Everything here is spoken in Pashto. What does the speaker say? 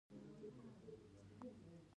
انسان رڼا ویني.